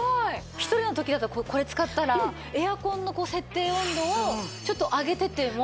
一人の時だったらこれ使ったらエアコンの設定温度をちょっと上げてても。